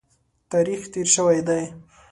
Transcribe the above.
تاریخ تېر شوی دی.